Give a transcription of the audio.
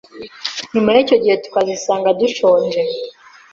nyuma y'icyo gihe tukazisanga dushonje.